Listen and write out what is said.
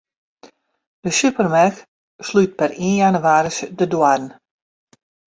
De supermerk slút per ien jannewaris de doarren.